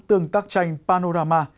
tương tác tranh panorama